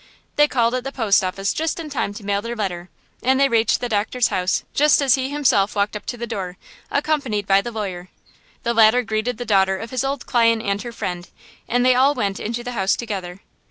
They called at the post office just in time to mail their letter, and they reached the doctor's house just as he himself walked up to the door, accompanied by the lawyer. The latter greeted the daughter of his old client and her friend, and they all went into the house together.